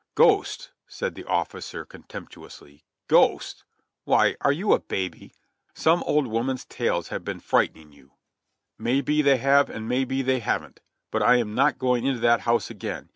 "Ghosts," said the officer contemptuously ; "ghosts ! Why, are you a babv? Some old woman's tales have been frightening you!" "May be they have and may be they haven't; but I am not going into that house again.